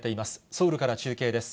ソウルから中継です。